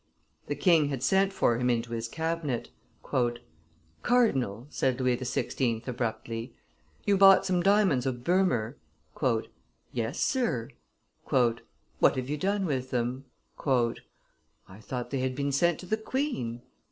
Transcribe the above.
The king had sent for him into his cabinet. "Cardinal," said Louis XVI. abruptly, "you bought some diamonds of Bcehmer?" "Yes, Sir." "What have you done with them?" "I thought they had been sent to the queen."